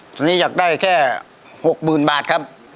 ทีนี้อยากได้แค่๖หมื่นบาทครับ